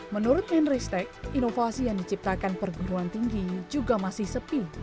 menurut menristek inovasi yang diciptakan perguruan tinggi juga masih sepi